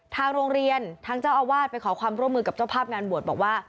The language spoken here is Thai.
ทางโรงเรียนทางเจ้าอาวาสไปขอความร่วมมือกับเจ้าภาพงานบวชบอกว่า